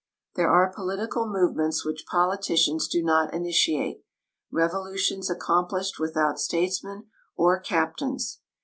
There are political movements which politicians do not initiate ; revolutions accomplished without statesmen or captains.